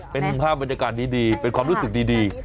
เป็นภาพบรรยากาศดีเป็นความรู้สึกดี